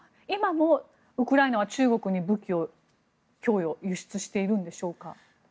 今もウクライナは中国に武器を供与輸出しているんでしょうか？